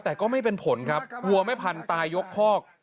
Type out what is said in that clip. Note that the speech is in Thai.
แต่ก็ไม่เป็นผลครับวัวแม่พันธุ์ตายยกคอก